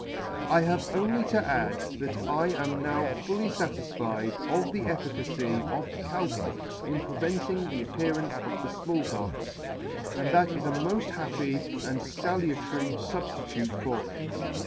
" I have only to add, that I am now fully fatisfied of the efficacy of the Cow Pox in preventing the appearance of the Small Pox, and that it is a moll happy and falutary fubftitute for it.